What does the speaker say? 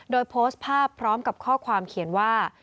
โดยโพสต์ภาพพร้อมกับข้อความเขียนว่า